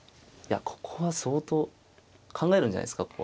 ここは相当考えるんじゃないですか